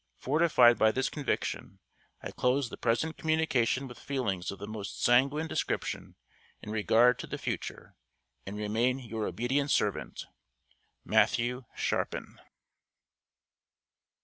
Fortified by this conviction, I close the present communication with feelings of the most sanguine description in regard to the future, and remain your obedient servant, MATTHEW SHARPIN.